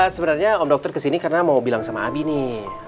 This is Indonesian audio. sebenarnya om dokter kesini karena mau bilang sama abi nih